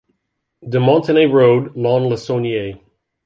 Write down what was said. De Montenay Road, Lons-le-Saunier.